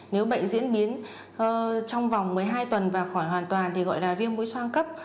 nếu bệnh diễn biến trong vòng một mươi hai tuần và khỏi hoàn toàn thì gọi là viêm mũi soang cấp